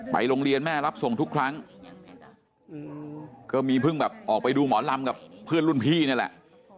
โรงเรียนแม่รับส่งทุกครั้งก็มีเพิ่งแบบออกไปดูหมอลำกับเพื่อนรุ่นพี่นี่แหละ